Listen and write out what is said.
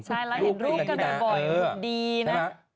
ใช่เราเห็นรูปกันบ่อยดีนะ